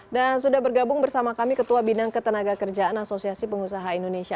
dan sudah bergabung bersama kami ketua bidang ketenagakerjaan asosiasi pengusaha indonesia